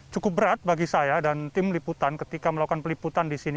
cukup berat bagi saya dan tim liputan ketika melakukan peliputan di sini